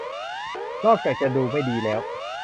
นอกจากจะดูไม่ดีแล้ว